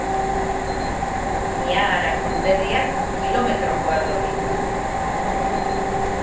Niagara konderriak kilometro koadro ditu.